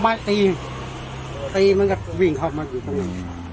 โปรดติดตามตอนต่อไป